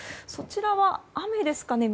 そちらは雨ですか？